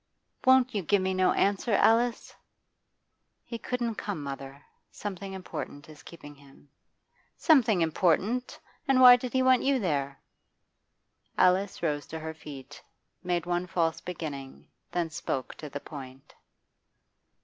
'Won't you give me no answer, Alice?' 'He couldn't come, mother. Something important is keeping him.' 'Something important? And why did he want you there?' Alice rose to her feet, made one false beginning, then spoke to the point.